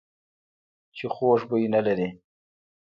چې خوږ بوی نه لري .